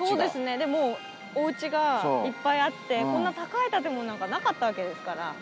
でもおうちがいっぱいあってこんな高い建物がなかったわけですから。